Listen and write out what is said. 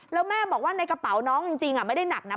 แล้วแม่บอกว่าในกระเป๋าน้องจริงไม่ได้หนักนะ